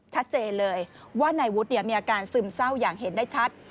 ชัดเจนเลยว่านายวุฒิมีอาการซึมเศร้าอย่างเห็นได้ชัด